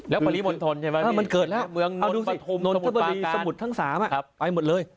แล้วปฏิบันทนใช่ไหมถ้ามันเกิดแล้วเอาดูสินนทบดีสมุทรทั้ง๓ไปหมดเลย